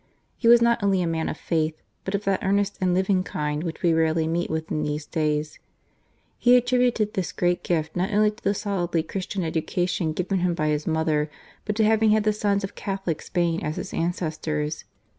He was not only a man of faith, but of that earnest and living kind which we rarely meet with in these days. He attributed this great gift not only to the solidly Christian education given him by his mother, but to having had the sons of Catholic Spain as his ances tors.